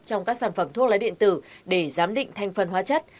trong các sản phẩm thuốc lá điện tử để giám định thanh phần hóa chất